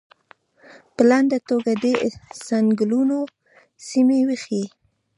په لنډه توګه دې د څنګلونو سیمې وښیي.